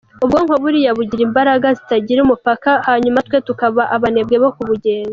Ubwonko buriya bugira imbaraga zitagira umupaka hanyuma twe tukaba abanebwe bo k’ubugenga.